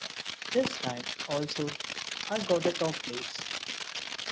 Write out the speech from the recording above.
This time, also, I got a top place.